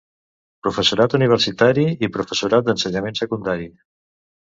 Professorat universitari i professorat d'ensenyament secundari.